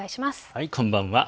こんばんは。